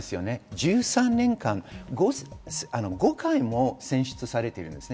１３年間、５回も選出されているわけですね。